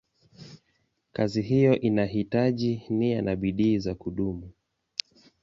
Kazi hiyo inahitaji nia na bidii za kudumu.